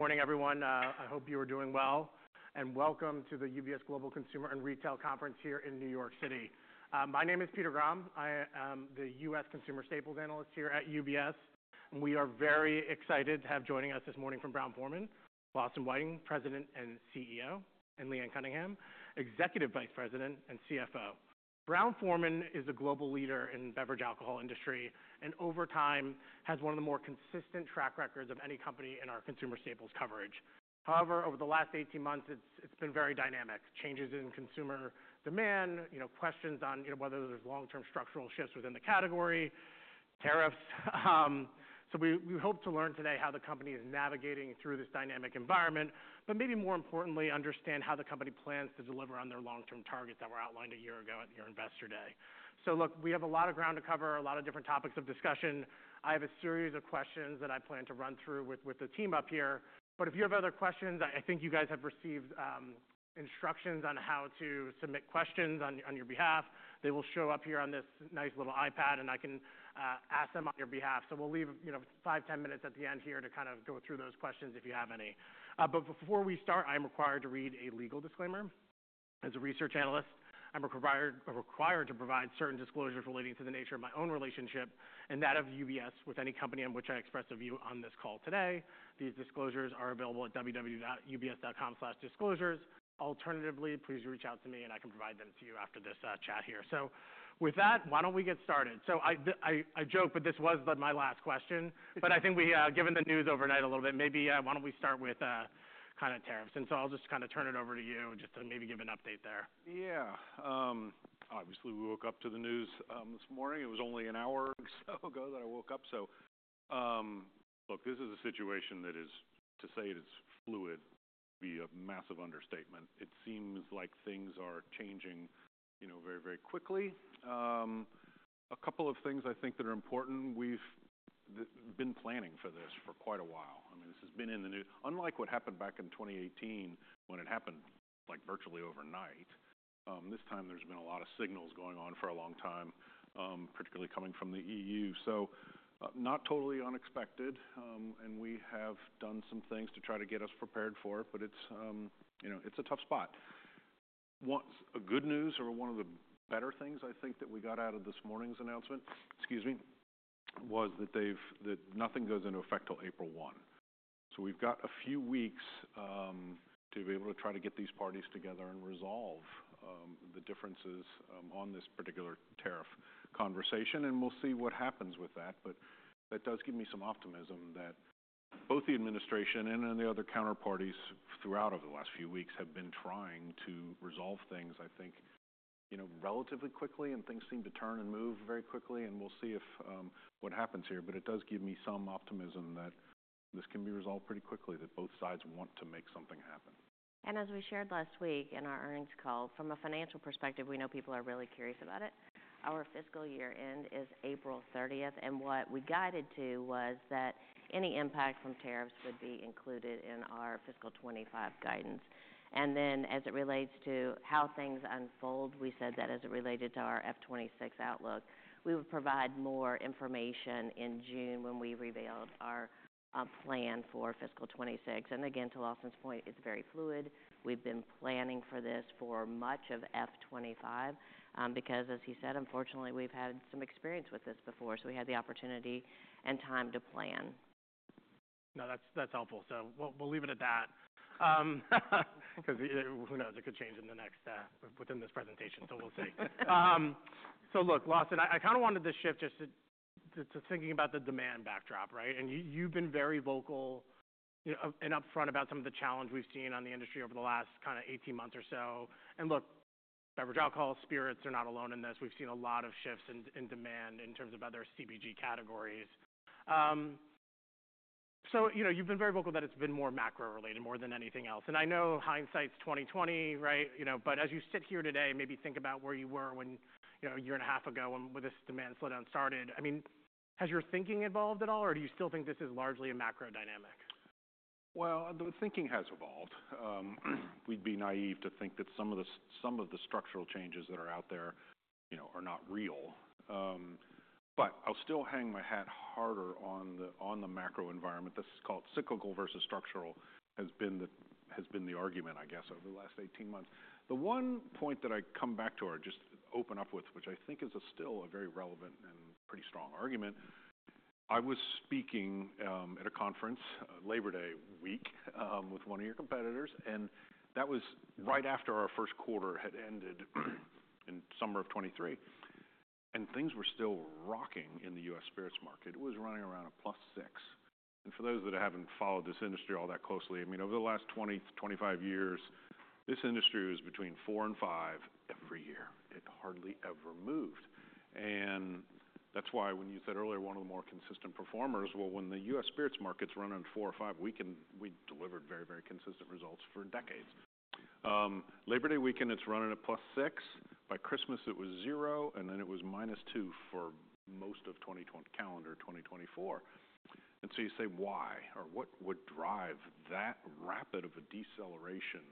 Morning, everyone. I hope you are doing well. Welcome to the UBS Global Consumer and Retail Conference here in New York City. My name is Peter Graham. I am the U.S. Consumer Staples Analyst here at UBS. We are very excited to have joining us this morning from Brown-Forman, Lawson Whiting, President and CEO, and Leanne Cunningham, Executive Vice President and CFO. Brown-Forman is a global leader in the beverage alcohol industry and over time has one of the more consistent track records of any company in our consumer staples coverage. However, over the last 18 months, it's been very dynamic. Changes in consumer demand, you know, questions on, you know, whether there's long-term structural shifts within the category, tariffs. We hope to learn today how the company is navigating through this dynamic environment, but maybe more importantly, understand how the company plans to deliver on their long-term targets that were outlined a year ago at your Investor Day. Look, we have a lot of ground to cover, a lot of different topics of discussion. I have a series of questions that I plan to run through with the team up here. If you have other questions, I think you guys have received instructions on how to submit questions on your behalf. They will show up here on this nice little iPad, and I can ask them on your behalf. We will leave, you know, 5-10 minutes at the end here to kind of go through those questions if you have any. Before we start, I am required to read a legal disclaimer. As a research analyst, I'm required to provide certain disclosures relating to the nature of my own relationship and that of UBS with any company on which I express a view on this call today. These disclosures are available at www.ubs.com/disclosures. Alternatively, please reach out to me, and I can provide them to you after this chat here. With that, why don't we get started? I joke, but this was my last question. I think, given the news overnight a little bit, maybe, why don't we start with tariffs? I'll just turn it over to you to maybe give an update there. Yeah. Obviously, we woke up to the news this morning. It was only an hour or so ago that I woke up. Look, this is a situation that is, to say it is fluid, would be a massive understatement. It seems like things are changing, you know, very, very quickly. A couple of things I think that are important. We've been planning for this for quite a while. I mean, this has been in the new unlike what happened back in 2018 when it happened, like, virtually overnight. This time, there's been a lot of signals going on for a long time, particularly coming from the EU. Not totally unexpected. We have done some things to try to get us prepared for it, but it's, you know, it's a tough spot. of the good news or one of the better things I think that we got out of this morning's announcement, excuse me, was that nothing goes into effect till April 1. We have a few weeks to be able to try to get these parties together and resolve the differences on this particular tariff conversation. We will see what happens with that. That does give me some optimism that both the administration and then the other counterparties throughout over the last few weeks have been trying to resolve things, I think, you know, relatively quickly, and things seem to turn and move very quickly. We will see what happens here. That does give me some optimism that this can be resolved pretty quickly, that both sides want to make something happen. As we shared last week in our earnings call, from a financial perspective, we know people are really curious about it. Our fiscal year-end is April 30. What we guided to was that any impact from tariffs would be included in our fiscal 2025 guidance. As it relates to how things unfold, we said that as it related to our fiscal 2026 outlook, we would provide more information in June when we revealed our plan for fiscal 2026. Again, to Lawson's point, it is very fluid. We have been planning for this for much of fiscal 2025, because, as he said, unfortunately, we have had some experience with this before. We had the opportunity and time to plan. No, that's helpful. We'll leave it at that, 'cause who knows? It could change in the next, within this presentation. We'll see. Look, Lawson, I kinda wanted to shift just to thinking about the demand backdrop, right? You, you've been very vocal, you know, and upfront about some of the challenge we've seen on the industry over the last 18 months or so. Look, beverage alcohol, spirits, they're not alone in this. We've seen a lot of shifts in demand in terms of other CPG categories. You know, you've been very vocal that it's been more macro-related more than anything else. I know hindsight's 20/20, right? You know, but as you sit here today, maybe think about where you were when, you know, a year and a half ago when this demand slowdown started. I mean, has your thinking evolved at all, or do you still think this is largely a macro dynamic? The thinking has evolved. We'd be naive to think that some of the structural changes that are out there, you know, are not real. I'll still hang my hat harder on the macro environment. This is called cyclical versus structural, has been the argument, I guess, over the last 18 months. The one point that I come back to or just open up with, which I think is still a very relevant and pretty strong argument, I was speaking at a conference, Labor Day week, with one of your competitors. That was right after our first quarter had ended in summer of 2023. Things were still rocking in the U.S. spirits market. It was running around a plus 6%. For those that haven't followed this industry all that closely, I mean, over the last 20-25 years, this industry was between 4% and 5% every year. It hardly ever moved. That is why when you said earlier one of the more consistent performers, when the U.S. spirits market is running 4% or 5%, we delivered very, very consistent results for decades. Labor Day weekend, it is running at plus 6%. By Christmas, it was 0%, and then it was minus 2% for most of 2020 calendar 2024. You say, why or what would drive that rapid of a deceleration?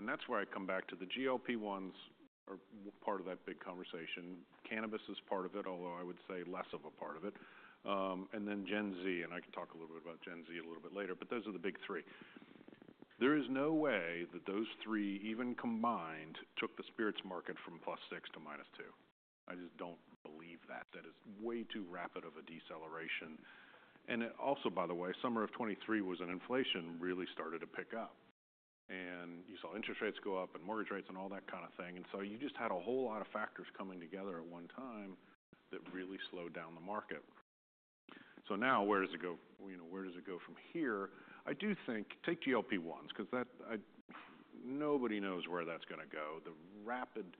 That is where I come back to the GLP-1s are part of that big conversation. Cannabis is part of it, although I would say less of a part of it, and then Gen Z. I can talk a little bit about Gen Z a little bit later. Those are the big three. There is no way that those three, even combined, took the spirits market from +6% to -2%. I just don't believe that. That is way too rapid of a deceleration. It also, by the way, summer of 2023 was when inflation really started to pick up. You saw interest rates go up and mortgage rates and all that kind of thing. You just had a whole lot of factors coming together at one time that really slowed down the market. Now, where does it go? You know, where does it go from here? I do think take GLP-1s 'cause nobody knows where that's gonna go. The rapid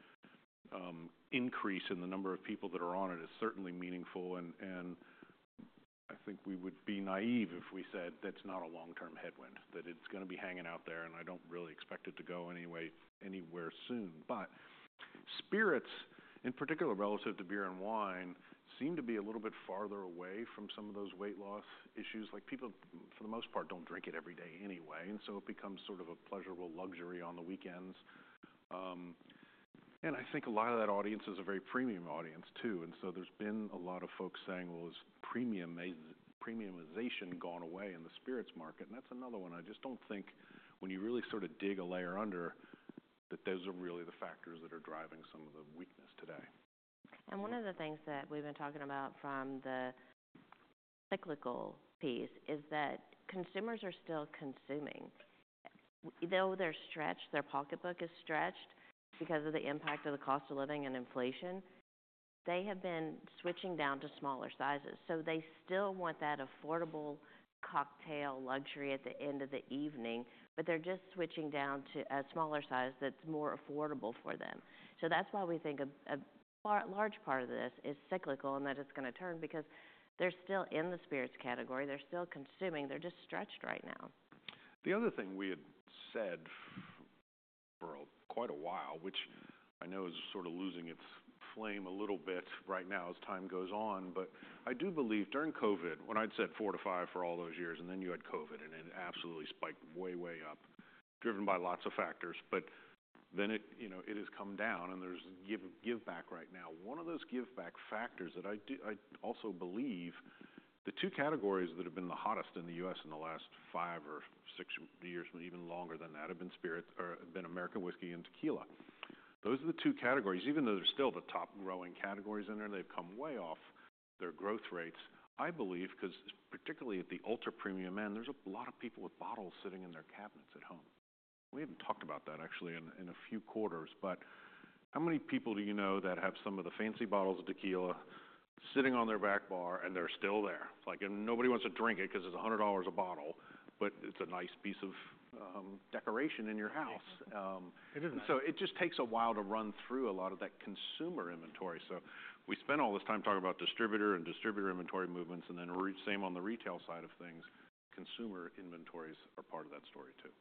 increase in the number of people that are on it is certainly meaningful. I think we would be naive if we said that's not a long-term headwind, that it's gonna be hanging out there, and I don't really expect it to go anywhere soon. Spirits, in particular relative to beer and wine, seem to be a little bit farther away from some of those weight loss issues. Like, people, for the most part, don't drink it every day anyway. It becomes sort of a pleasurable luxury on the weekends. I think a lot of that audience is a very premium audience too. There's been a lot of folks saying, well, has premiumization gone away in the spirits market? That's another one I just don't think when you really sorta dig a layer under that those are really the factors that are driving some of the weakness today. One of the things that we've been talking about from the cyclical piece is that consumers are still consuming. Though they're stretched, their pocketbook is stretched because of the impact of the cost of living and inflation, they have been switching down to smaller sizes. They still want that affordable cocktail luxury at the end of the evening, but they're just switching down to a smaller size that's more affordable for them. That is why we think a far large part of this is cyclical and that it's gonna turn because they're still in the spirits category. They're still consuming. They're just stretched right now. The other thing we had said for quite a while, which I know is sorta losing its flame a little bit right now as time goes on, but I do believe during COVID when I'd said 4 to 5 for all those years, and then you had COVID, and it absolutely spiked way, way up, driven by lots of factors. It has come down, and there's give, give back right now. One of those give back factors that I do I also believe the two categories that have been the hottest in the U.S. in the last five or six years, even longer than that, have been spirits or have been American whiskey and tequila. Those are the two categories. Even though they're still the top-growing categories in there, they've come way off their growth rates. I believe 'cause particularly at the ultra-premium, man, there's a lot of people with bottles sitting in their cabinets at home. We haven't talked about that actually in a few quarters. How many people do you know that have some of the fancy bottles of tequila sitting on their back bar, and they're still there? Like, and nobody wants to drink it 'cause it's $100 a bottle, but it's a nice piece of decoration in your house. It is nice. It just takes a while to run through a lot of that consumer inventory. We spend all this time talking about distributor and distributor inventory movements, and then the same on the retail side of things. Consumer inventories are part of that story too.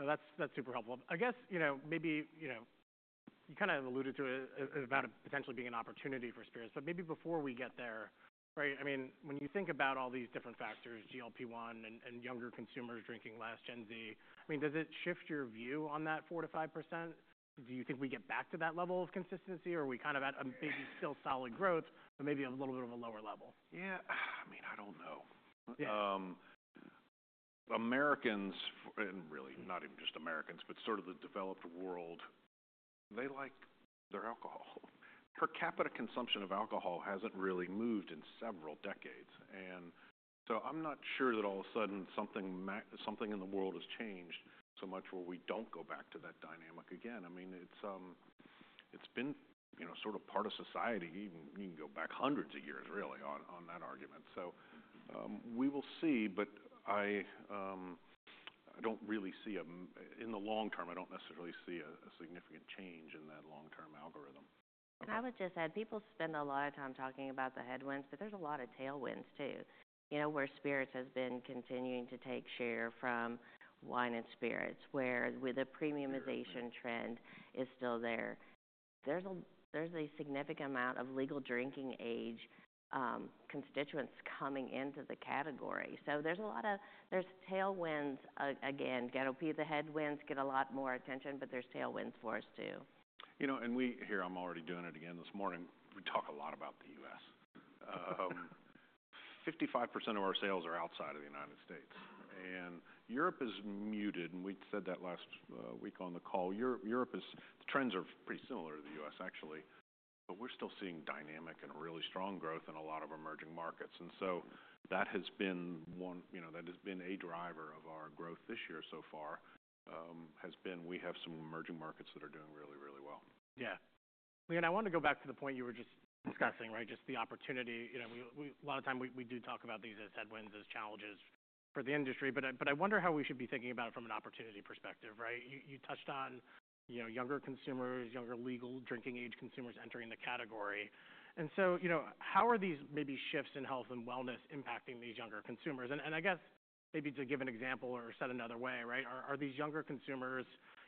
No, that's, that's super helpful. I guess, you know, maybe, you know, you kinda alluded to it, about it potentially being an opportunity for spirits. Maybe before we get there, right, I mean, when you think about all these different factors, GLP-1 and, and younger consumers drinking less, Gen Z, I mean, does it shift your view on that 4-5%? Do you think we get back to that level of consistency, or are we kind of at a maybe still solid growth, but maybe a little bit of a lower level? Yeah. I mean, I don't know. Yeah. Americans and really not even just Americans, but sorta the developed world, they like their alcohol. Per capita consumption of alcohol hasn't really moved in several decades. I'm not sure that all of a sudden something in the world has changed so much where we don't go back to that dynamic again. I mean, it's been, you know, sorta part of society. You can go back hundreds of years, really, on that argument. We will see. I don't really see in the long term, I don't necessarily see a significant change in that long-term algorithm. I would just add people spend a lot of time talking about the headwinds, but there is a lot of tailwinds too. You know, where spirits has been continuing to take share from wine and spirits, where with the premiumization trend is still there, there is a significant amount of legal drinking age constituents coming into the category. So there is a lot of tailwinds again. The headwinds get a lot more attention, but there is tailwinds for us too. You know, and we here, I am already doing it again this morning. We talk a lot about the U.S. 55% of our sales are outside of the United States. Europe is muted. We said that last week on the call. Europe, Europe is, the trends are pretty similar to the U.S. actually. We are still seeing dynamic and really strong growth in a lot of emerging markets. That has been one, you know, that has been a driver of our growth this year so far, has been we have some emerging markets that are doing really, really well. Yeah. Leanne, I wanna go back to the point you were just discussing, right, just the opportunity. You know, we, we a lot of time we, we do talk about these as headwinds, as challenges for the industry. But I wonder how we should be thinking about it from an opportunity perspective, right? You, you touched on, you know, younger consumers, younger legal drinking age consumers entering the category. And so, you know, how are these maybe shifts in health and wellness impacting these younger consumers? I guess maybe to give an example or set another way, right, are these younger consumers,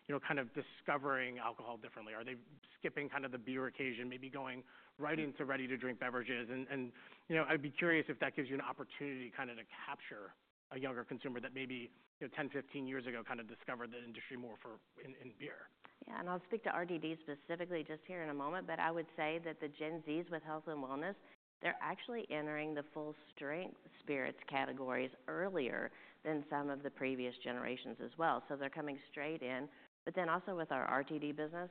you know, kind of discovering alcohol differently? Are they skipping kinda the beer occasion, maybe going right into ready-to-drink beverages? You know, I'd be curious if that gives you an opportunity kinda to capture a younger consumer that maybe, you know, 10, 15 years ago kinda discovered the industry more for in, in beer. Yeah. I'll speak to RTD specifically just here in a moment. I would say that the Gen Zs with health and wellness, they're actually entering the full strength spirits categories earlier than some of the previous generations as well. They're coming straight in. With our RTD business,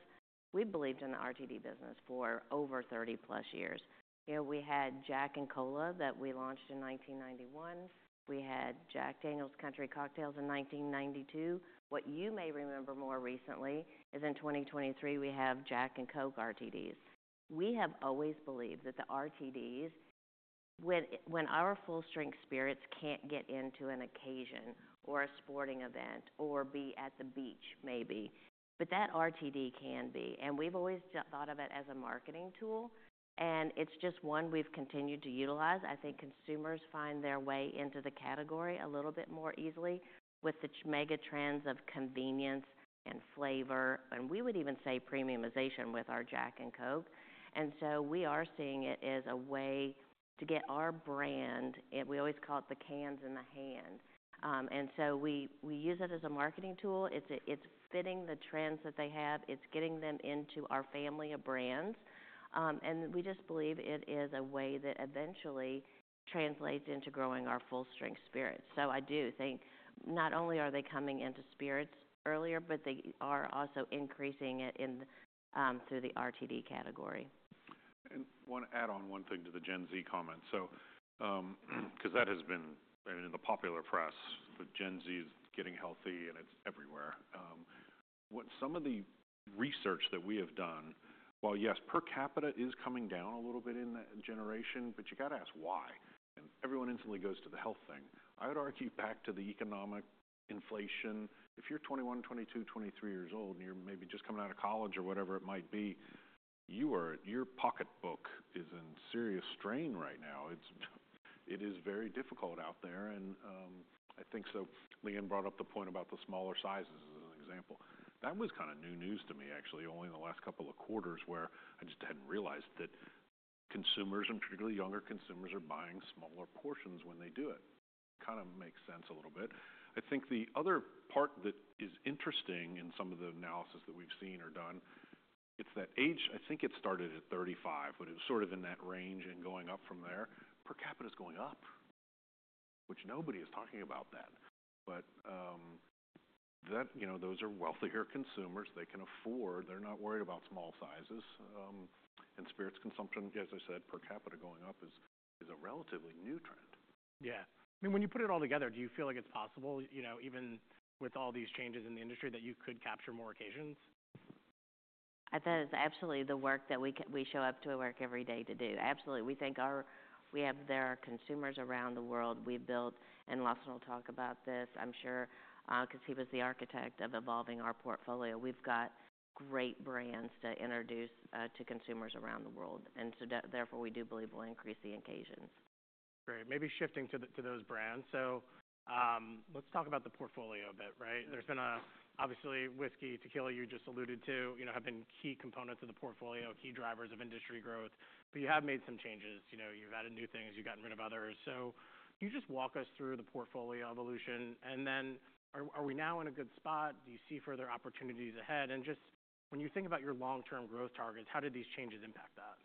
we've believed in the RTD business for over 30-plus years. You know, we had Jack and Cola that we launched in 1991. We had Jack Daniel's Country Cocktails in 1992. What you may remember more recently is in 2023, we have Jack and Coke RTDs. We have always believed that the RTDs, when our full-strength spirits can't get into an occasion or a sporting event or be at the beach maybe, that RTD can be. We've always thought of it as a marketing tool. It's just one we've continued to utilize. I think consumers find their way into the category a little bit more easily with the mega trends of convenience and flavor. We would even say premiumization with our Jack and Coke. We are seeing it as a way to get our brand, and we always call it the cans in the hand. We use it as a marketing tool. It is fitting the trends that they have. It is getting them into our family of brands. We just believe it is a way that eventually translates into growing our full-strength spirits. I do think not only are they coming into spirits earlier, but they are also increasing it in, through the RTD category. want to add on one thing to the Gen Z comment. That has been, I mean, in the popular press, the Gen Z is getting healthy, and it's everywhere. What some of the research that we have done, while yes, per capita is coming down a little bit in that generation, but you gotta ask why. Everyone instantly goes to the health thing. I would argue back to the economic inflation. If you're 21, 22, 23 years old, and you're maybe just coming out of college or whatever it might be, your pocketbook is in serious strain right now. It is very difficult out there. I think Leanne brought up the point about the smaller sizes as an example. That was kinda new news to me actually only in the last couple of quarters where I just hadn't realized that consumers and particularly younger consumers are buying smaller portions when they do it. Kinda makes sense a little bit. I think the other part that is interesting in some of the analysis that we've seen or done, it's that age I think it started at 35, but it was sorta in that range and going up from there. Per capita's going up, which nobody is talking about that. That, you know, those are wealthier consumers. They can afford. They're not worried about small sizes. Spirits consumption, as I said, per capita going up is, is a relatively new trend. Yeah. I mean, when you put it all together, do you feel like it's possible, you know, even with all these changes in the industry that you could capture more occasions? That is absolutely the work that we show up to work every day to do. Absolutely. We think we have consumers around the world. We've built, and Lawson will talk about this, I'm sure, 'cause he was the architect of evolving our portfolio. We've got great brands to introduce to consumers around the world. Therefore, we do believe we'll increase the occasions. Great. Maybe shifting to those brands. Let's talk about the portfolio a bit, right? There's been a obviously whiskey, tequila you just alluded to, you know, have been key components of the portfolio, key drivers of industry growth. You have made some changes. You know, you've added new things. You've gotten rid of others. Can you just walk us through the portfolio evolution? Are we now in a good spot? Do you see further opportunities ahead? Just when you think about your long-term growth targets, how did these changes impact that?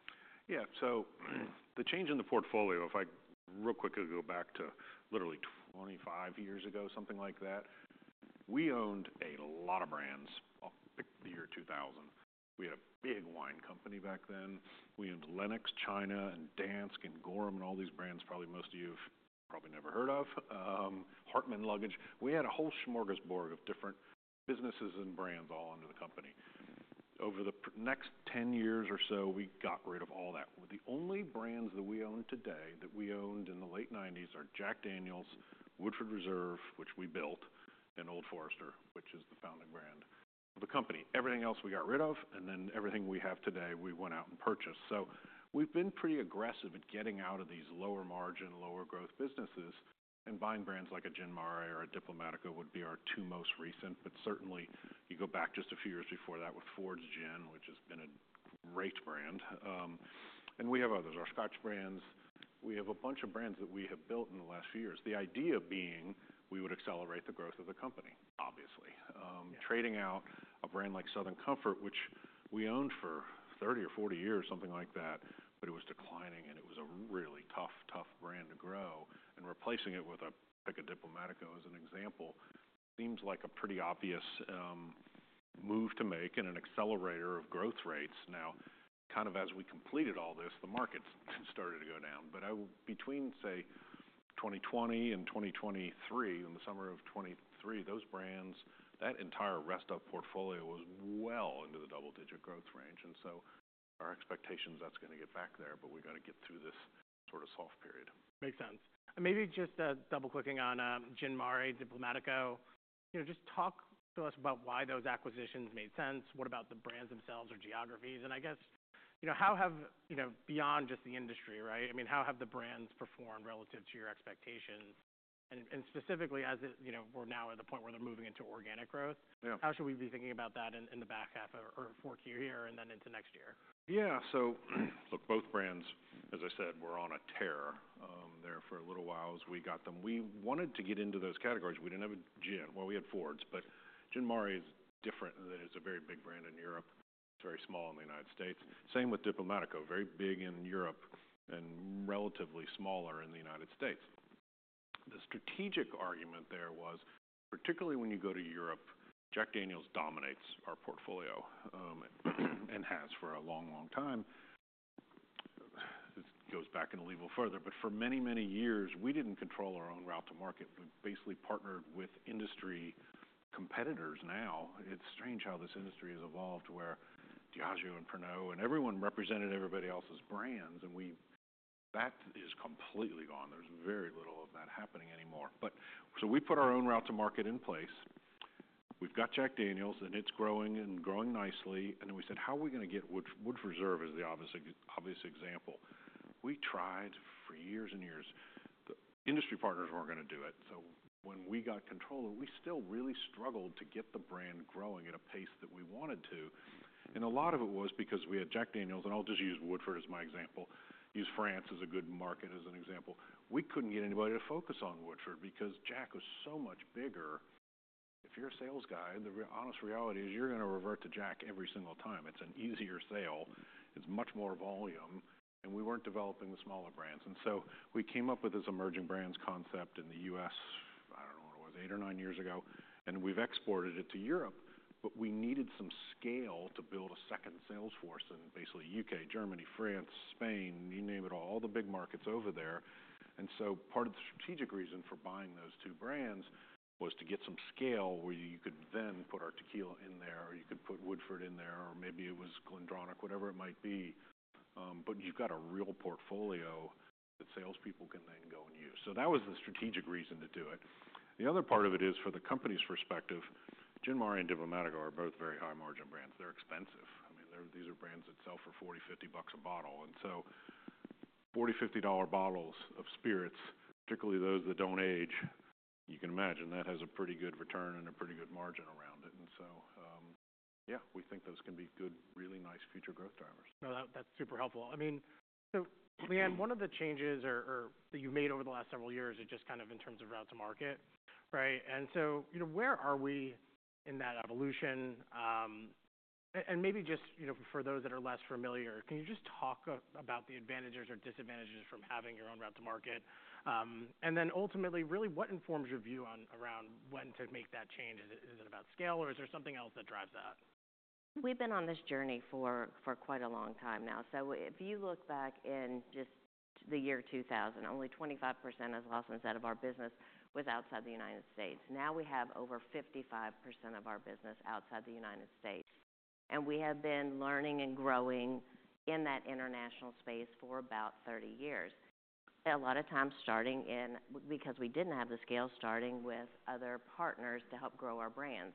Yeah. The change in the portfolio, if I real quickly go back to literally 25 years ago, something like that, we owned a lot of brands. I'll pick the year 2000. We had a big wine company back then. We owned Lenox China, and Dansk, and Gorham, and all these brands probably most of you have probably never heard of. Hartmann Luggage. We had a whole smorgasbord of different businesses and brands all under the company. Over the next 10 years or so, we got rid of all that. The only brands that we own today that we owned in the late 1990s are Jack Daniel's, Woodford Reserve, which we built, and Old Forester, which is the founding brand of the company. Everything else we got rid of, and then everything we have today, we went out and purchased. We have been pretty aggressive at getting out of these lower-margin, lower-growth businesses and buying brands like a Gin Mare or a Diplomático would be our two most recent. Certainly, you go back just a few years before that with Fords Gin, which has been a great brand. We have others, our Scotch brands. We have a bunch of brands that we have built in the last few years. The idea being we would accelerate the growth of the company, obviously. Yeah. Trading out a brand like Southern Comfort, which we owned for 30 or 40 years, something like that, but it was declining, and it was a really tough, tough brand to grow. Replacing it with a pick a Diplomático as an example seems like a pretty obvious move to make and an accelerator of growth rates. Now, kind of as we completed all this, the markets started to go down. I between say 2020 and 2023, in the summer of 2023, those brands, that entire rest of portfolio was well into the double-digit growth range. Our expectation's that's gonna get back there, but we gotta get through this sorta soft period. Makes sense. Maybe just double-clicking on Gin Mare, Diplomático, you know, just talk to us about why those acquisitions made sense. What about the brands themselves or geographies? I guess, you know, how have, you know, beyond just the industry, right, I mean, how have the brands performed relative to your expectations? Specifically as it, you know, we're now at the point where they're moving into organic growth. Yeah. How should we be thinking about that in the back half of our fourth year here and then into next year? Yeah. Look, both brands, as I said, were on a tear there for a little while as we got them. We wanted to get into those categories. We did not have a gin. Well, we had Fords. But Gin Mare is different. It is a very big brand in Europe. It is very small in the United States. Same with Diplomático. Very big in Europe and relatively smaller in the United States. The strategic argument there was, particularly when you go to Europe, Jack Daniel's dominates our portfolio, and has for a long, long time. This goes back even further. For many, many years, we did not control our own route to market. We basically partnered with industry competitors. Now, it is strange how this industry has evolved where Diageo and Pernod and everyone represented everybody else's brands. That is completely gone. There is very little of that happening anymore. We put our own route to market in place. We've got Jack Daniel's, and it's growing and growing nicely. We said, "How are we gonna get Woodford?" Woodford Reserve is the obvious example. We tried for years and years. The industry partners were not gonna do it. When we got control, we still really struggled to get the brand growing at a pace that we wanted to. A lot of it was because we had Jack Daniel's, and I'll just use Woodford as my example, use France as a good market as an example. We could not get anybody to focus on Woodford because Jack was so much bigger. If you're a sales guy, the honest reality is you're gonna revert to Jack every single time. It's an easier sale. It's much more volume. We were not developing the smaller brands. We came up with this emerging brands concept in the U.S., I do not know when it was, eight or nine years ago. We exported it to Europe. We needed some scale to build a second sales force in basically the U.K., Germany, France, Spain, you name it, all the big markets over there. Part of the strategic reason for buying those two brands was to get some scale where you could then put our tequila in there, or you could put Woodford in there, or maybe it was GlenDronach, whatever it might be. You have a real portfolio that salespeople can then go and use. That was the strategic reason to do it. The other part of it is for the company's perspective, Gin Mare and Diplomático are both very high-margin brands. They are expensive. I mean, these are brands that sell for $40, $50 a bottle. $40, $50 bottles of spirits, particularly those that do not age, you can imagine that has a pretty good return and a pretty good margin around it. Yeah, we think those can be good, really nice future growth drivers. No, that's super helpful. I mean, so Leanne, one of the changes that you've made over the last several years is just kind of in terms of route to market, right? And so, you know, where are we in that evolution? And maybe just, you know, for those that are less familiar, can you just talk about the advantages or disadvantages from having your own route to market? And then ultimately, really what informs your view on around when to make that change? Is it about scale, or is there something else that drives that? We've been on this journey for quite a long time now. If you look back in just the year 2000, only 25%, as Lawson said, of our business was outside the United States. Now we have over 55% of our business outside the United States. We have been learning and growing in that international space for about 30 years. A lot of times starting in because we didn't have the scale, starting with other partners to help grow our brands.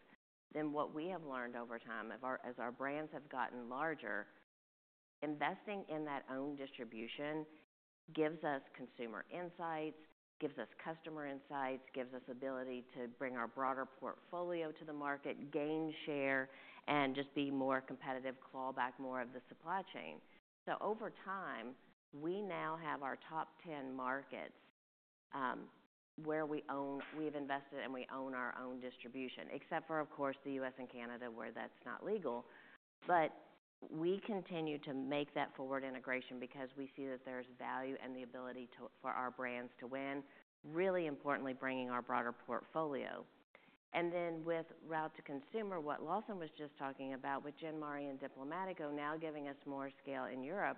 What we have learned over time, as our brands have gotten larger, is that investing in that own distribution gives us consumer insights, gives us customer insights, gives us ability to bring our broader portfolio to the market, gain share, and just be more competitive, claw back more of the supply chain. Over time, we now have our top 10 markets, where we own, we have invested, and we own our own distribution, except for, of course, the U.S. and Canada where that's not legal. We continue to make that forward integration because we see that there's value and the ability for our brands to win, really importantly bringing our broader portfolio. With route to consumer, what Lawson was just talking about with Gin Mare and Diplomático now giving us more scale in Europe,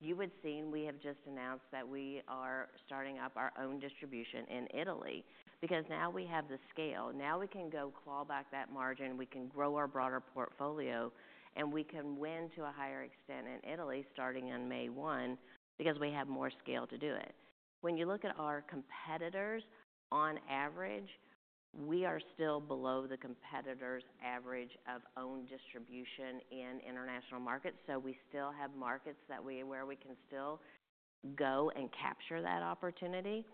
you would see and we have just announced that we are starting up our own distribution in Italy because now we have the scale. Now we can go claw back that margin. We can grow our broader portfolio, and we can win to a higher extent in Italy starting on May 1 because we have more scale to do it. When you look at our competitors, on average, we are still below the competitors' average of own distribution in international markets. We still have markets where we can still go and capture that opportunity.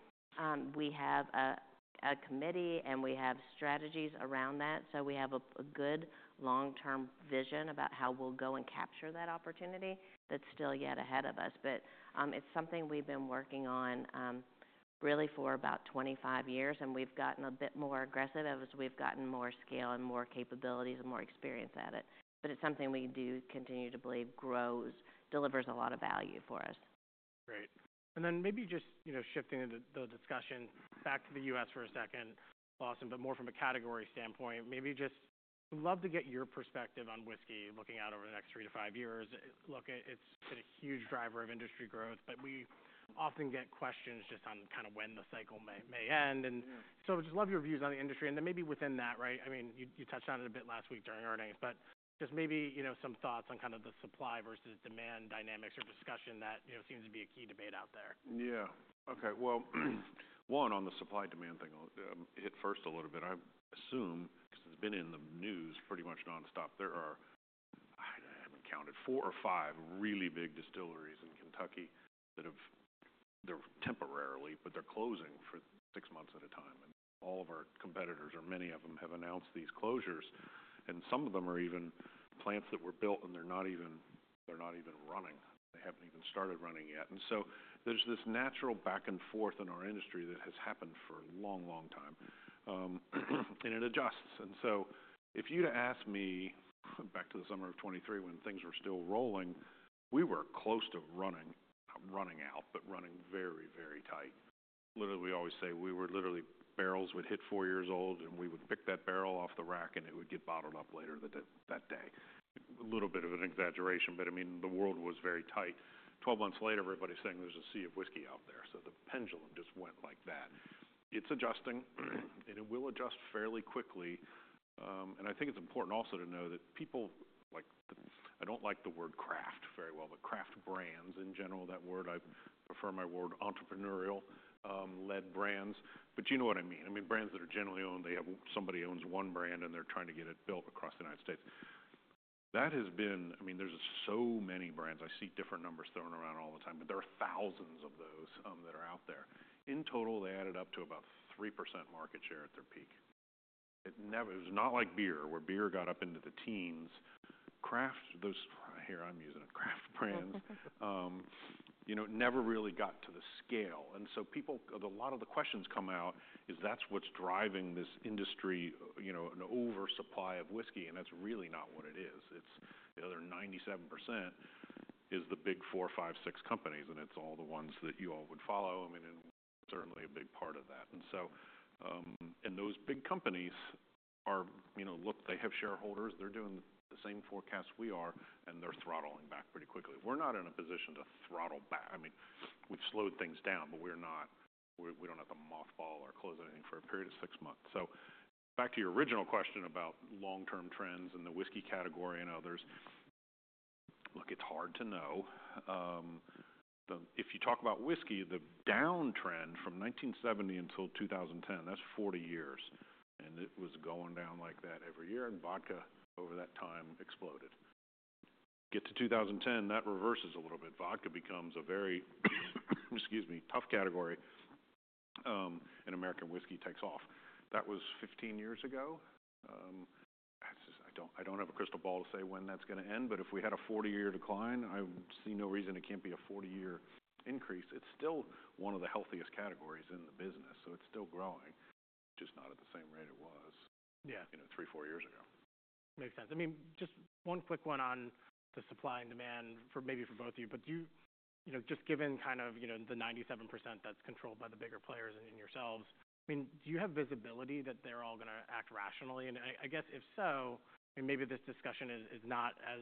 We have a committee, and we have strategies around that. We have a good long-term vision about how we'll go and capture that opportunity that's still yet ahead of us. It is something we've been working on, really for about 25 years. We've gotten a bit more aggressive as we've gotten more scale and more capabilities and more experience at it. It is something we do continue to believe grows, delivers a lot of value for us. Great. Maybe just, you know, shifting the discussion back to the U.S. for a second, Lawson, but more from a category standpoint, maybe just would love to get your perspective on whiskey looking out over the next three to five years. Look, it's been a huge driver of industry growth, but we often get questions just on kinda when the cycle may end. I would just love your views on the industry. Maybe within that, right, I mean, you touched on it a bit last week during earnings, but just maybe, you know, some thoughts on kinda the supply versus demand dynamics or discussion that, you know, seems to be a key debate out there. Yeah. Okay. One, on the supply-demand thing, I'll hit first a little bit. I assume, 'cause it's been in the news pretty much nonstop, there are, I haven't counted, four or five really big distilleries in Kentucky that have, they're temporarily, but they're closing for six months at a time. All of our competitors, or many of them, have announced these closures. Some of them are even plants that were built, and they're not even running. They haven't even started running yet. There is this natural back and forth in our industry that has happened for a long, long time. It adjusts. If you'd ask me back to the summer of 2023 when things were still rolling, we were close to running, not running out, but running very, very tight. Literally, we always say we were literally barrels would hit four years old, and we would pick that barrel off the rack, and it would get bottled up later that day. A little bit of an exaggeration, but I mean, the world was very tight. Twelve months later, everybody's saying there's a sea of whiskey out there. The pendulum just went like that. It's adjusting, and it will adjust fairly quickly. I think it's important also to know that people like the I don't like the word craft very well, but craft brands in general, that word. I prefer my word entrepreneurial, led brands. But you know what I mean. I mean, brands that are generally owned, they have somebody owns one brand, and they're trying to get it built across the United States. That has been I mean, there's so many brands. I see different numbers thrown around all the time, but there are thousands of those that are out there. In total, they added up to about 3% market share at their peak. It never was not like beer, where beer got up into the teens. Craft, those here, I'm using it, craft brands, you know, never really got to the scale. And so people, a lot of the questions come out is that's what's driving this industry, you know, an oversupply of whiskey. That's really not what it is. It's the other 97% is the big four, five, six companies, and it's all the ones that you all would follow. I mean, and certainly a big part of that. Those big companies are, you know, look, they have shareholders. They're doing the same forecast we are, and they're throttling back pretty quickly. We're not in a position to throttle back. I mean, we've slowed things down, but we're not we don't have to mothball our clothes or anything for a period of six months. Back to your original question about long-term trends and the whiskey category and others, look, it's hard to know. If you talk about whiskey, the downtrend from 1970 until 2010, that's 40 years. And it was going down like that every year. And vodka over that time exploded. Get to 2010, that reverses a little bit. Vodka becomes a very, excuse me, tough category, and American whiskey takes off. That was 15 years ago. I don't I don't have a crystal ball to say when that's gonna end. If we had a 40-year decline, I see no reason it can't be a 40-year increase. It's still one of the healthiest categories in the business. It's still growing, just not at the same rate it was. Yeah. You know, three, four years ago. Makes sense. I mean, just one quick one on the supply and demand for maybe for both of you. Do you, you know, just given kind of, you know, the 97% that's controlled by the bigger players and yourselves, I mean, do you have visibility that they're all gonna act rationally? I guess if so, I mean, maybe this discussion is not as,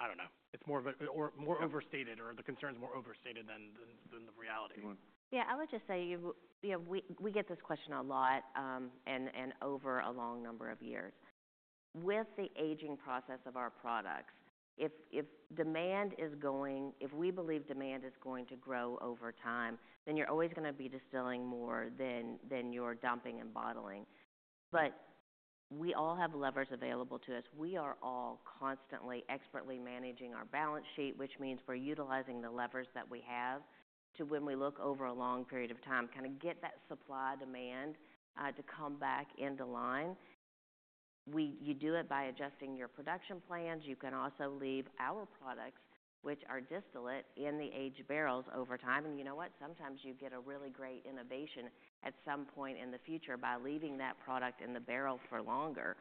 I don't know, it's more of a or more overstated or the concern's more overstated than the reality. Yeah. I would just say, you know, we get this question a lot, and over a long number of years. With the aging process of our products, if demand is going, if we believe demand is going to grow over time, then you're always gonna be distilling more than you're dumping and bottling. We all have levers available to us. We are all constantly expertly managing our balance sheet, which means we're utilizing the levers that we have to, when we look over a long period of time, kinda get that supply-demand to come back into line. You do it by adjusting your production plans. You can also leave our products, which are distillate, in the aged barrels over time. And you know what? Sometimes you get a really great innovation at some point in the future by leaving that product in the barrel for longer.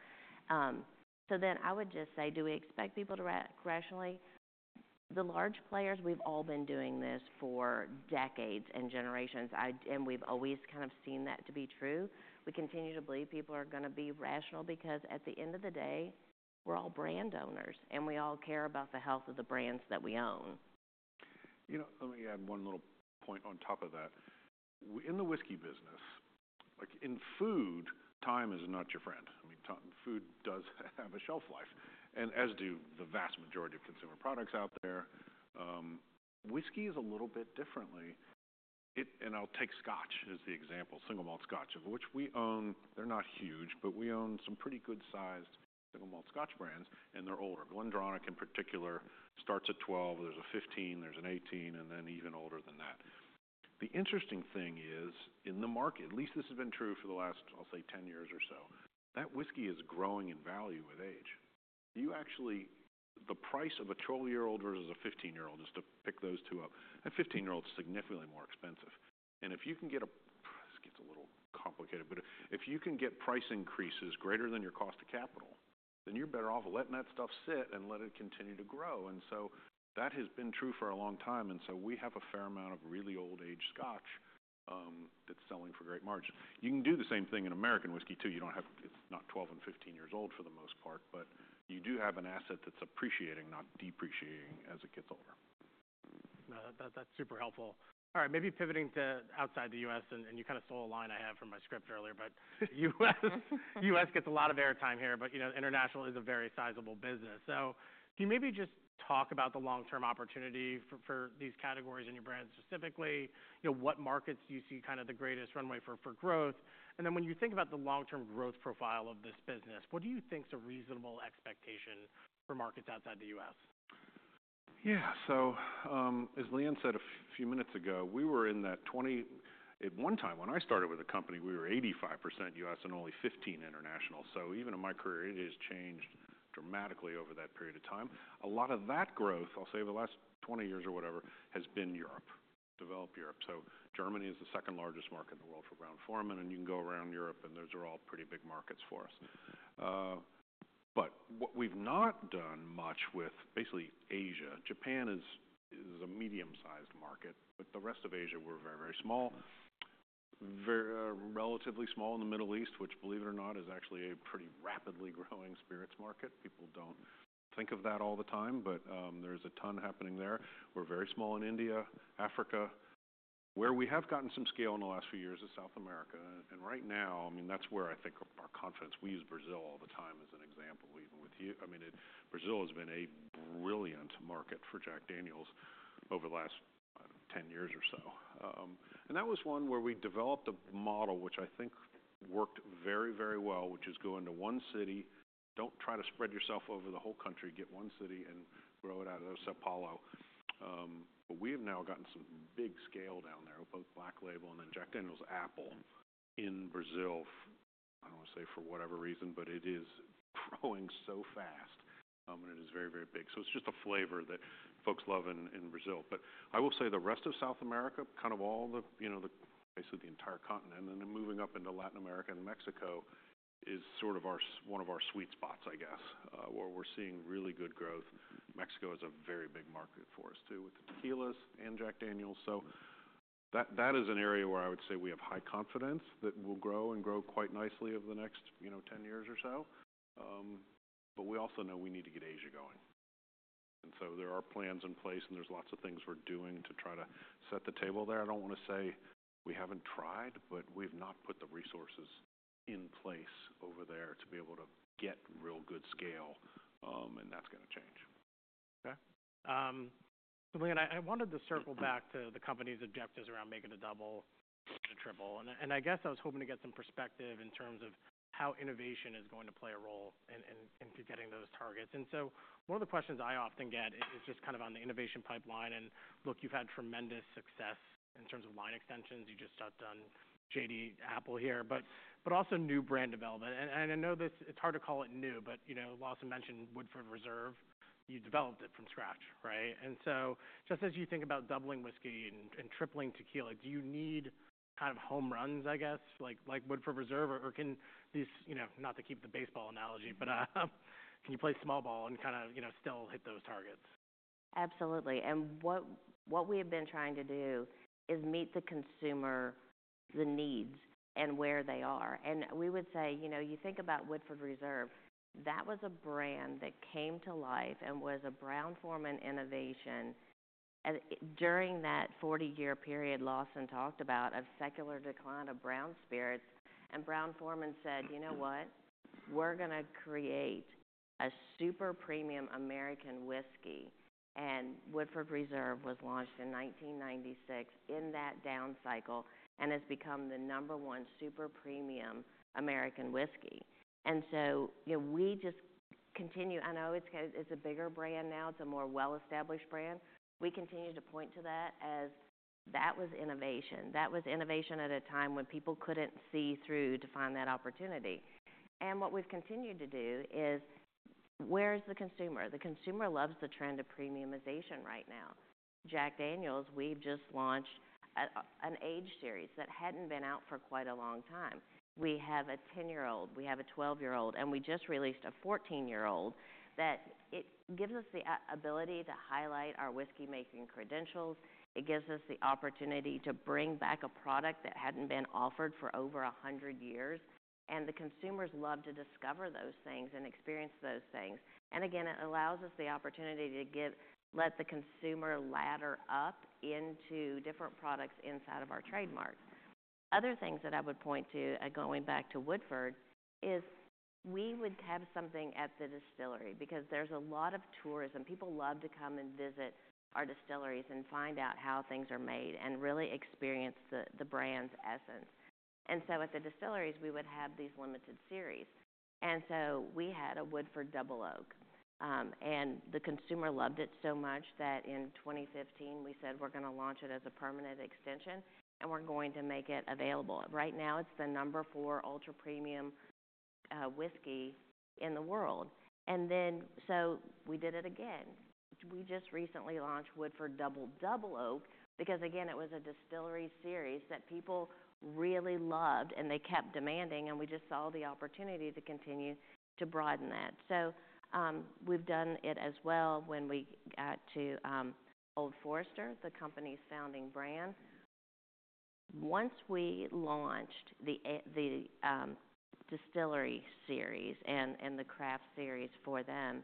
I would just say, do we expect people to act rationally? The large players, we've all been doing this for decades and generations. We've always kind of seen that to be true. We continue to believe people are gonna be rational because at the end of the day, we're all brand owners, and we all care about the health of the brands that we own. You know, let me add one little point on top of that. In the whiskey business, like in food, time is not your friend. I mean, time, food does have a shelf life, and as do the vast majority of consumer products out there. Whiskey is a little bit differently. It, and I'll take Scotch as the example, single malt Scotch, of which we own, they're not huge, but we own some pretty good-sized single malt Scotch brands, and they're older. Glendronach, in particular, starts at 12. There's a 15. There's an 18, and then even older than that. The interesting thing is in the market, at least this has been true for the last, I'll say, 10 years or so, that whiskey is growing in value with age. You actually, the price of a 12-year-old versus a 15-year-old, just to pick those two up, that 15-year-old's significantly more expensive. If you can get price increases greater than your cost of capital, then you're better off letting that stuff sit and let it continue to grow. That has been true for a long time. We have a fair amount of really old-aged Scotch, that's selling for great margins. You can do the same thing in American whiskey too. You don't have, it's not 12 and 15 years old for the most part, but you do have an asset that's appreciating, not depreciating as it gets older. No, that's super helpful. All right. Maybe pivoting to outside the U.S., and you kinda stole a line I had from my script earlier, but U.S. gets a lot of airtime here, but, you know, international is a very sizable business. Can you maybe just talk about the long-term opportunity for these categories and your brands specifically? You know, what markets do you see kinda the greatest runway for growth? And then when you think about the long-term growth profile of this business, what do you think's a reasonable expectation for markets outside the U.S? Yeah. As Leanne said a few minutes ago, we were in that 20 at one time when I started with the company, we were 85% U.S. and only 15% international. Even in my career, it has changed dramatically over that period of time. A lot of that growth, I'll say, over the last 20 years or whatever, has been Europe, developed Europe. Germany is the second-largest market in the world for Brown-Forman, and you can go around Europe, and those are all pretty big markets for us. What we've not done much with is basically Asia. Japan is a medium-sized market, but the rest of Asia, we're very, very small, very relatively small in the Middle East, which, believe it or not, is actually a pretty rapidly growing spirits market. People don't think of that all the time, but there's a ton happening there. We're very small in India, Africa. Where we have gotten some scale in the last few years is South America. Right now, I mean, that's where I think our confidence, we use Brazil all the time as an example, even with you. I mean, Brazil has been a brilliant market for Jack Daniel's over the last 10 years or so. That was one where we developed a model, which I think worked very, very well, which is go into one city, don't try to spread yourself over the whole country, get one city and grow it out of São Paulo. We have now gotten some big scale down there, both Black Label and then Jack Daniel's Apple in Brazil. I don't wanna say for whatever reason, but it is growing so fast, and it is very, very big. It's just a flavor that folks love in Brazil. I will say the rest of South America, kind of all the, you know, basically the entire continent, and then moving up into Latin America and Mexico is sort of one of our sweet spots, I guess, where we're seeing really good growth. Mexico is a very big market for us too with the tequilas and Jack Daniel's. That is an area where I would say we have high confidence that will grow and grow quite nicely over the next 10 years or so. We also know we need to get Asia going. There are plans in place, and there's lots of things we're doing to try to set the table there. I don't wanna say we haven't tried, but we've not put the resources in place over there to be able to get real good scale. That's gonna change. Okay. Leanne, I wanted to circle back to the company's objectives around making a double and a triple. I guess I was hoping to get some perspective in terms of how innovation is going to play a role in getting those targets. One of the questions I often get is just kind of on the innovation pipeline. Look, you've had tremendous success in terms of line extensions. You just touched on JD Apple here, but also new brand development. I know this, it's hard to call it new, but, you know, Lawson mentioned Woodford Reserve. You developed it from scratch, right? Just as you think about doubling whiskey and, and tripling tequila, do you need kind of home runs, I guess, like, like Woodford Reserve, or, or can these, you know, not to keep the baseball analogy, but, can you play small ball and kind of, you know, still hit those targets? Absolutely. What we have been trying to do is meet the consumer's needs and where they are. We would say, you know, you think about Woodford Reserve. That was a brand that came to life and was a Brown-Forman innovation during that 40-year period Lawson talked about of secular decline of brown spirits. Brown-Forman said, "You know what? We're gonna create a super premium American whiskey." Woodford Reserve was launched in 1996 in that down cycle and has become the number one super premium American whiskey. You know, we just continue. I know it's a bigger brand now. It's a more well-established brand. We continue to point to that as that was innovation. That was innovation at a time when people couldn't see through to find that opportunity. What we've continued to do is where's the consumer? The consumer loves the trend of premiumization right now. Jack Daniel's, we've just launched an age series that hadn't been out for quite a long time. We have a 10-year-old. We have a 12-year-old, and we just released a 14-year-old that gives us the ability to highlight our whiskey-making credentials. It gives us the opportunity to bring back a product that hadn't been offered for over 100 years. The consumers love to discover those things and experience those things. Again, it allows us the opportunity to let the consumer ladder up into different products inside of our trademarks. Other things that I would point to, going back to Woodford, is we would have something at the distillery because there's a lot of tourism. People love to come and visit our distilleries and find out how things are made and really experience the brand's essence. At the distilleries, we would have these limited series. We had a Woodford Reserve Double Oaked, and the consumer loved it so much that in 2015, we said, "We're gonna launch it as a permanent extension, and we're going to make it available." Right now, it's the number four ultra premium whiskey in the world. We did it again. We just recently launched Woodford Reserve Double Double Oaked because, again, it was a Distillery Series that people really loved, and they kept demanding, and we just saw the opportunity to continue to broaden that. We've done it as well when we got to Old Forester, the company's founding brand. Once we launched the Distillery Series and the Craft Series for them,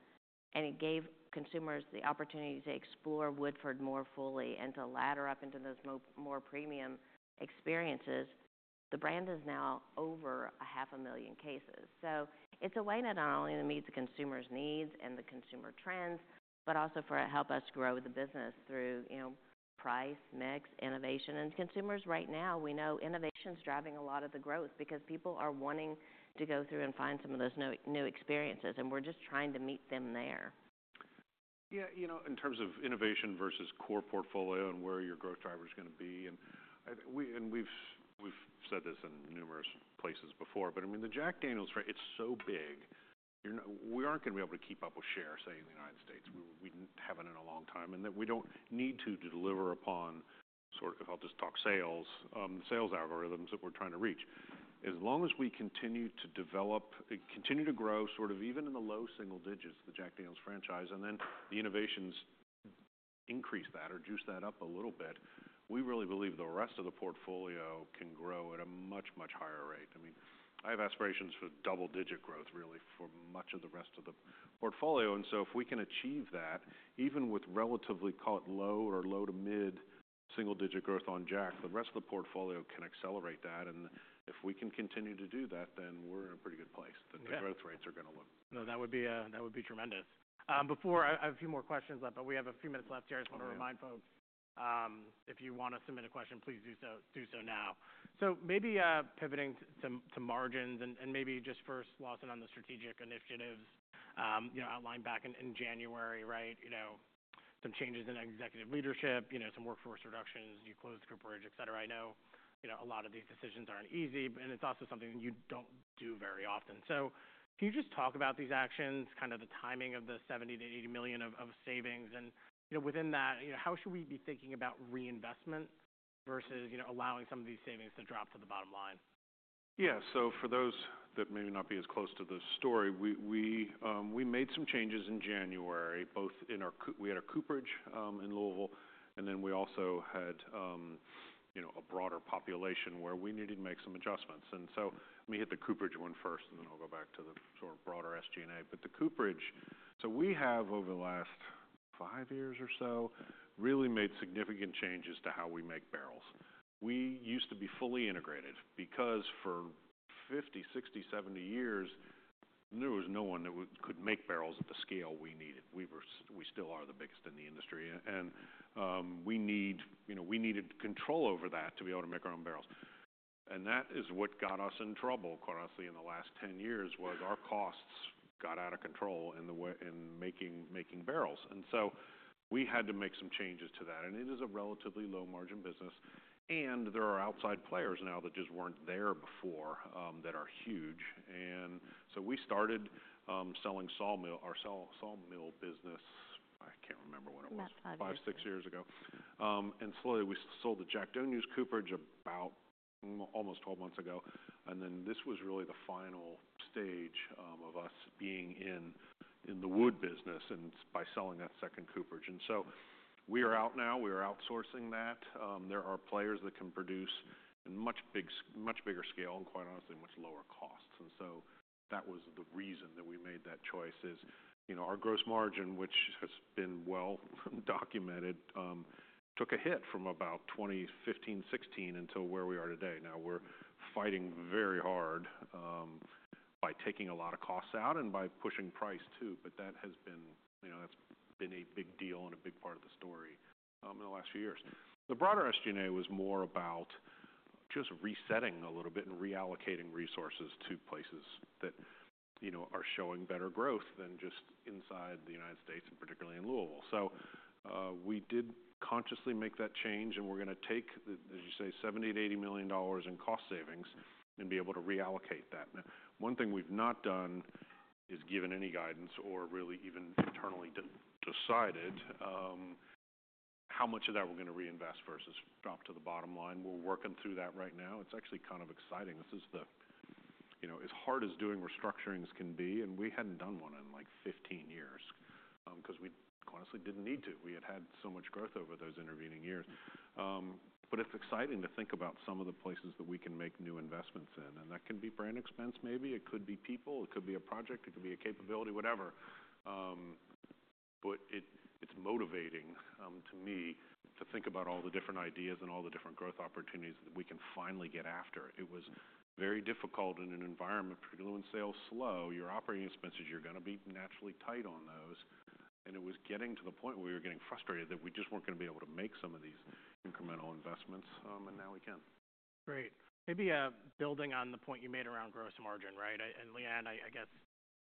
and it gave consumers the opportunity to explore Woodford more fully and to ladder up into those more premium experiences, the brand is now over 500,000 cases. It is a way not only to meet the consumer's needs and the consumer trends, but also for it to help us grow the business through, you know, price, mix, innovation. Consumers right now, we know innovation's driving a lot of the growth because people are wanting to go through and find some of those new, new experiences, and we're just trying to meet them there. Yeah. You know, in terms of innovation versus core portfolio and where your growth driver's gonna be, and we've said this in numerous places before, but I mean, the Jack Daniel's franchise, it's so big. We aren't gonna be able to keep up with share, say, in the United States. We haven't in a long time, and we don't need to deliver upon sort of, I'll just talk sales, sales algorithms that we're trying to reach. As long as we continue to develop, continue to grow sort of even in the low single digits, the Jack Daniel's franchise, and then the innovations increase that or juice that up a little bit, we really believe the rest of the portfolio can grow at a much, much higher rate. I mean, I have aspirations for double-digit growth really for much of the rest of the portfolio. And if we can achieve that, even with relatively, call it low or low to mid single-digit growth on Jack, the rest of the portfolio can accelerate that. If we can continue to do that, then we're in a pretty good place that the growth rates are gonna look. No, that would be a that would be tremendous. Before I have a few more questions left, but we have a few minutes left here. I just wanna remind folks, if you wanna submit a question, please do so, do so now. Maybe, pivoting to, to margins and, and maybe just first Lawson on the strategic initiatives, you know, outlined back in, in January, right? You know, some changes in executive leadership, you know, some workforce reductions, you closed cooperage, etc. I know, you know, a lot of these decisions aren't easy, and it's also something you don't do very often. Can you just talk about these actions, kind of the timing of the $70-$80 million of savings? And, you know, within that, you know, how should we be thinking about reinvestment versus, you know, allowing some of these savings to drop to the bottom line? Yeah. For those that may not be as close to the story, we made some changes in January, both in our co, we had a cooperage in Louisville, and then we also had, you know, a broader population where we needed to make some adjustments. Let me hit the cooperage one first, and then I'll go back to the sort of broader SG&A. The cooperage, so we have over the last five years or so really made significant changes to how we make barrels. We used to be fully integrated because for 50, 60, 70 years, there was no one that could make barrels at the scale we needed. We still are the biggest in the industry, and we needed control over that to be able to make our own barrels. That is what got us in trouble, quite honestly, in the last 10 years was our costs got out of control in the way in making, making barrels. We had to make some changes to that. It is a relatively low-margin business, and there are outside players now that just were not there before, that are huge. We started selling our sawmill business. I cannot remember what it was. Not five years. Five, six years ago. And slowly we sold the Jack Daniel Cooperage about almost 12 months ago. This was really the final stage of us being in the wood business and by selling that second cooperage. We are out now. We are outsourcing that. There are players that can produce in much bigger, much bigger scale and, quite honestly, much lower costs. That was the reason that we made that choice is, you know, our gross margin, which has been well documented, took a hit from about 2015, 2016 until where we are today. Now we're fighting very hard, by taking a lot of costs out and by pushing price too. That has been, you know, that's been a big deal and a big part of the story in the last few years. The broader SG&A was more about just resetting a little bit and reallocating resources to places that, you know, are showing better growth than just inside the United States and particularly in Louisville. We did consciously make that change, and we're gonna take the, as you say, $70 million-$80 million in cost savings and be able to reallocate that. Now, one thing we've not done is given any guidance or really even internally decided how much of that we're gonna reinvest versus drop to the bottom line. We're working through that right now. It's actually kind of exciting. This is the, you know, as hard as doing restructurings can be, and we hadn't done one in like 15 years, 'cause we honestly didn't need to. We had had so much growth over those intervening years. It's exciting to think about some of the places that we can make new investments in. That can be brand expense maybe. It could be people. It could be a project. It could be a capability, whatever. It's motivating to me to think about all the different ideas and all the different growth opportunities that we can finally get after. It was very difficult in an environment, particularly when sales slow, your operating expenses, you're gonna be naturally tight on those. It was getting to the point where we were getting frustrated that we just weren't gonna be able to make some of these incremental investments. Now we can. Great. Maybe, building on the point you made around gross margin, right? And Leanne, I guess,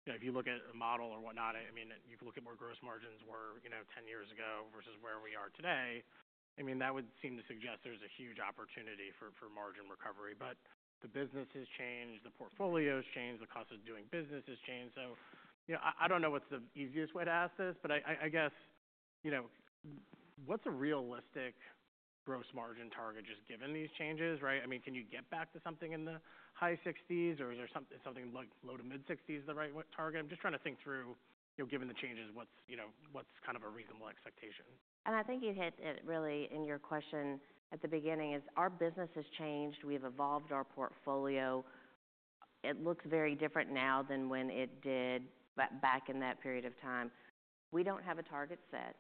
you know, if you look at a model or whatnot, I mean, you can look at more gross margins where, you know, 10 years ago versus where we are today. I mean, that would seem to suggest there's a huge opportunity for margin recovery. But the business has changed. The portfolio has changed. The cost of doing business has changed. You know, I guess, you know, what's a realistic gross margin target just given these changes, right? I mean, can you get back to something in the high 60s, or is there something, something like low to mid 60s the right target? I'm just trying to think through, you know, given the changes, what's, you know, what's kind of a reasonable expectation? I think you hit it really in your question at the beginning is our business has changed. We've evolved our portfolio. It looks very different now than when it did back in that period of time. We don't have a target set.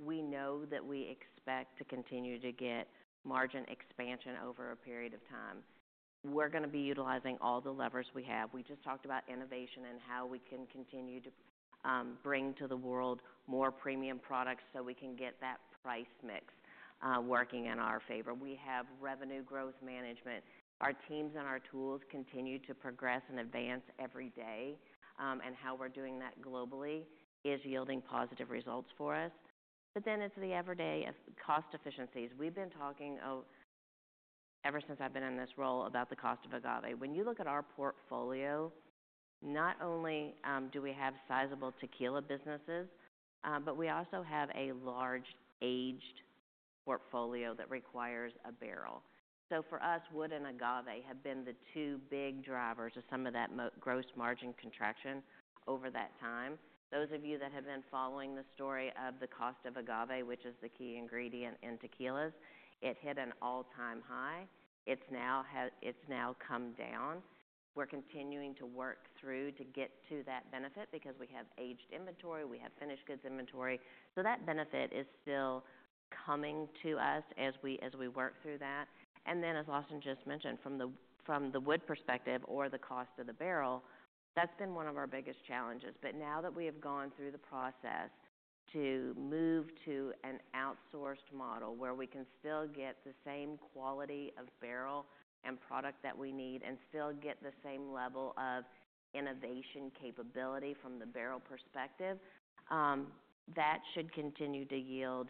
We know that we expect to continue to get margin expansion over a period of time. We're gonna be utilizing all the levers we have. We just talked about innovation and how we can continue to, bring to the world more premium products so we can get that price mix, working in our favor. We have revenue growth management. Our teams and our tools continue to progress and advance every day. How we're doing that globally is yielding positive results for us. It is the everyday cost efficiencies. We've been talking ever since I've been in this role about the cost of agave. When you look at our portfolio, not only do we have sizable tequila businesses, but we also have a large aged portfolio that requires a barrel. For us, wood and agave have been the two big drivers of some of that gross margin contraction over that time. Those of you that have been following the story of the cost of agave, which is the key ingredient in tequilas, it hit an all-time high. It's now come down. We're continuing to work through to get to that benefit because we have aged inventory. We have finished goods inventory. That benefit is still coming to us as we work through that. As Lawson just mentioned, from the wood perspective or the cost of the barrel, that's been one of our biggest challenges. Now that we have gone through the process to move to an outsourced model where we can still get the same quality of barrel and product that we need and still get the same level of innovation capability from the barrel perspective, that should continue to yield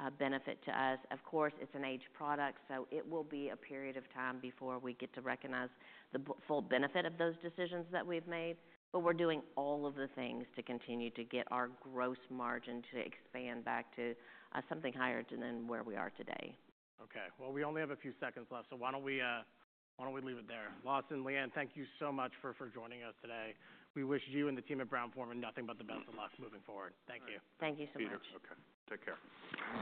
a benefit to us. Of course, it's an aged product, so it will be a period of time before we get to recognize the full benefit of those decisions that we've made. We are doing all of the things to continue to get our gross margin to expand back to something higher than where we are today. Okay. We only have a few seconds left, so why don't we leave it there? Lawson, Leanne, thank you so much for joining us today. We wish you and the team at Brown-Forman nothing but the best of luck moving forward. Thank you. Thank you so much. Peter. Okay. Take care.